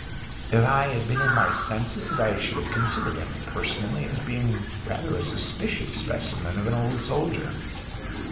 If I had been in my senses, I should have considered him, personally, as being rather a suspicious specimen of an old soldier.